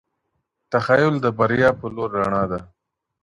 تخیل د بریا په لور رڼا ده.